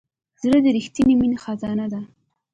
زړه د رښتینې مینې خزانه ده.